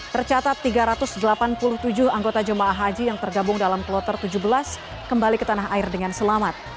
tercatat tiga ratus delapan puluh tujuh anggota jemaah haji yang tergabung dalam kloter tujuh belas kembali ke tanah air dengan selamat